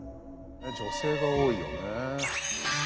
女性が多いよね。